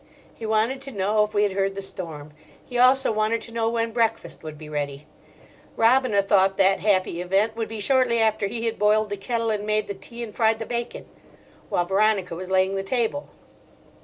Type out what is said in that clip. He wanted to know if we had heard the storm. He also wanted to know when breakfast would be ready. Robina thought that happy event would be shortly after he had boiled the kettle and made the tea and fried the bacon, while Veronica was laying the table.